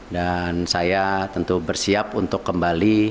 dan saya tentu bersiap untuk kembali